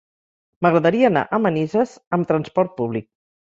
M'agradaria anar a Manises amb transport públic.